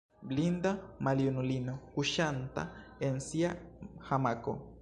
Blinda maljunulino, kuŝanta en sia hamako.